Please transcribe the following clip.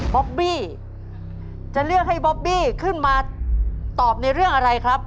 บ๊อบบี้จะเลือกให้บอบบี้ขึ้นมาตอบในเรื่องอะไรครับ